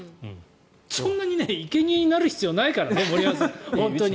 そんなにいけにえになる必要ないからね。